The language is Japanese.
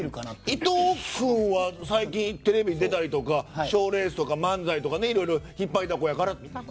伊藤君は最近、テレビに出たりとか賞レースとか、漫才とかねいろいろ引っ張りだこやから。